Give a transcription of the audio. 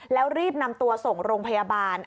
แล้วรีบนำตัวส่งโรงพยาบาล